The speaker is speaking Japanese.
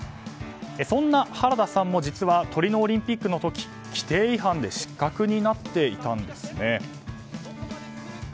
そんな原田さんも実はトリノオリンピックの時規定違反で失格になっていたんです。